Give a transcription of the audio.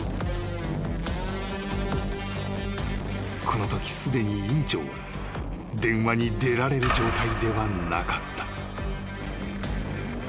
［このときすでに院長は電話に出られる状態ではなかった］